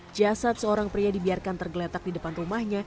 jasad seorang pria dibiarkan tergeletak di depan rumahnya